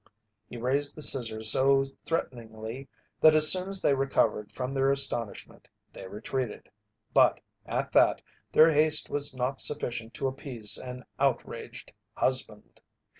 He raised the scissors so threateningly that as soon as they recovered from their astonishment they retreated, but, at that, their haste was not sufficient to appease an outraged husband.